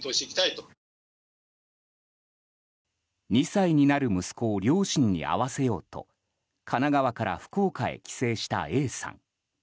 ２歳になる息子を両親に会わせようと神奈川から福岡へ帰省したＡさん。